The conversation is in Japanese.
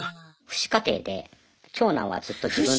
父子家庭で長男はずっと自分。